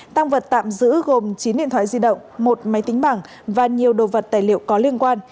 tăng vật tạm giữ gồm chín điện thoại di động một máy tính bảng và nhiều đồ vật tài liệu có liên quan